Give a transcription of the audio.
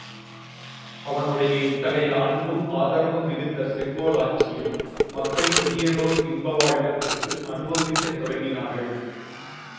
அவனுடைய இத்தகைய அன்பும் ஆதரவும் மிகுந்த செங்கோலாட்சியில் மக்கள் புதியதோர் இன்ப வாழ்வைப் பெற்று அனுபவிக்கத் தொடங்கினார்கள்.